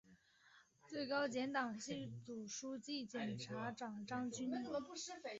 最高检党组书记、检察长张军在谈到学习运用习近平新时代中国特色社会主义思想时指出